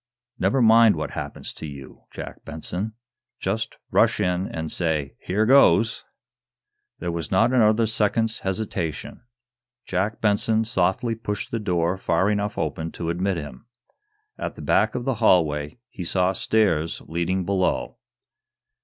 Never mind what happens to you, Jack Benson. Just rash in and say 'here goes'!" There was not another second's hesitation. Jack Benson softly pushed the door far enough open to admit him. At the back of the hallway he saw stairs leading below.